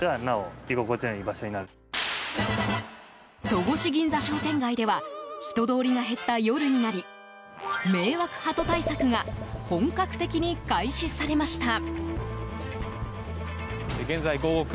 戸越銀座商店街では人通りが減った夜になり迷惑ハト対策が本格的に開始されました。